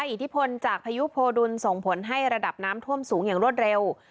อิทธิพลจากพายุโพดุลส่งผลให้ระดับน้ำท่วมสูงอย่างรวดเร็ว